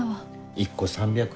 １個３００円